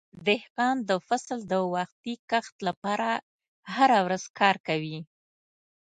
دهقان د فصل د وختي کښت لپاره هره ورځ کار کوي.